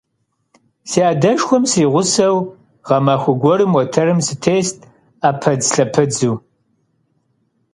Си адэшхуэм сригъусэу, гъэмахуэ гуэрым уэтэрым сытест Ӏэпыдзлъэпыдзу.